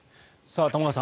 玉川さん